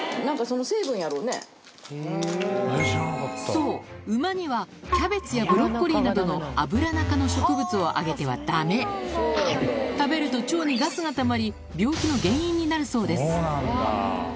そう馬にはキャベツやブロッコリーなどのアブラナ科の植物をあげてはダメ食べると腸にガスがたまり病気の原因になるそうです